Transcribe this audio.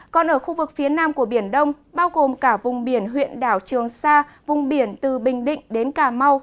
còn ở khu vực phía nam của biển đông bao gồm cả vùng biển huyện đảo trường sa vùng biển từ bình định đến cà mau